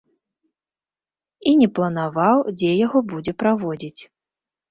І не планаваў, дзе яго будзе праводзіць.